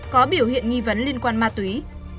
có biểu hiện nghi vấn liên quan ma túy